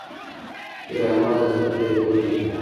ډرامه د تفریح یوه بڼه ده